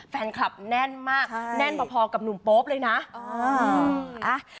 แฟนคลับแน่นมากแน่นพอกับหนุ่มโป๊ปเลยนะ